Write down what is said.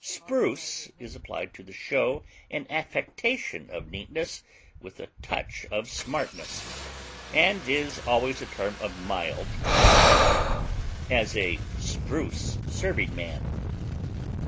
Spruce is applied to the show and affectation of neatness with a touch of smartness, and is always a term of mild contempt; as, a spruce serving man.